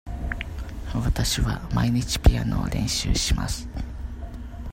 わたしは毎日ピアノを練習します。